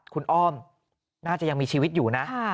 คุณอ้อมน่าจะยังมีชีวิตอยู่นะ